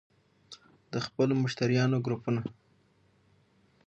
- د خپلو مشتریانو ګروپونه